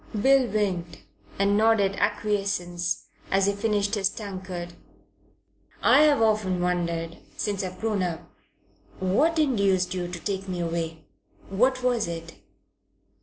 Bill winked and nodded acquiescence as he finished his tankard. "I've often wondered since I've grown up what induced you to take me away. What was it?"